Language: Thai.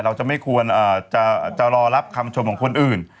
เราจะไม่ควรจะรอรับคำชมของคนอื่น